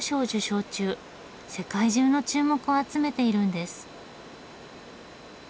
世界中の注目を集めているんです。